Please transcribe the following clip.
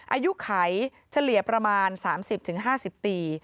อายุไขเฉลี่ยประมาณ๓๐๕๐ปี